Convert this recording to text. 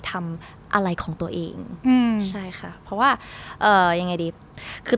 ทำอะไรของตัวเองอืมใช่ค่ะเพราะว่าเอ่อยังไงดีคือ